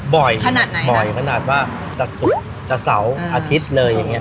บ่อยขนาดไหนบ่อยขนาดว่าจะศุกร์จะเสาร์อาทิตย์เลยอย่างเงี้